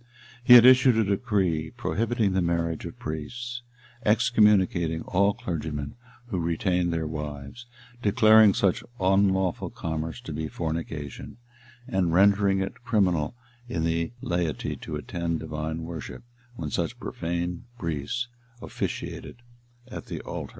He had issued a decree prohibiting the marriage of priests, excommunicating all clergymen who retained their wives, declaring such unlawful commerce to be fornication, and rendering it criminal in the laity to attend divine worship, when such profane priests officiated at the altar.